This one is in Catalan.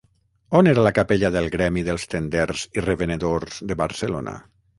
On era la capella del Gremi dels Tenders i Revenedors de Barcelona?